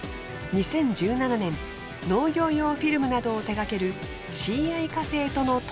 ２０１７年農業用フィルムなどを手がける。